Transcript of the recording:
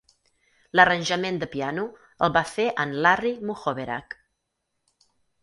L'arranjament de piano el va fer en Larry Muhoberac.